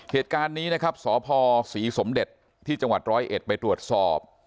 เหตุการณ์นี้นะครับสพศรีสมเด็จที่จังหวัดร้อยเอ็ดไปตรวจสอบ